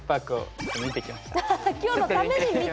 ちょっと見てきました。